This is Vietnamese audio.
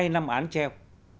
hai năm án treo